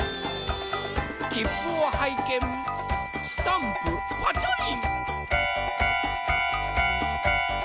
きっぷをはいけんスタンプパチョリン。